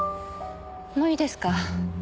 もういいですか？